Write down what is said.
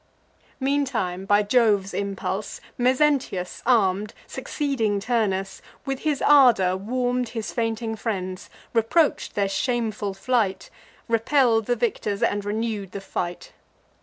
Meantime, by Jove's impulse, Mezentius arm'd, Succeeding Turnus, with his ardour warm'd His fainting friends, reproach'd their shameful flight, Repell'd the victors, and renew'd the fight.